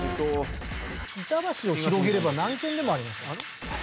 「板橋」を広げれば何件でもありますよ。